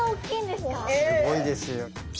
すごいですよ。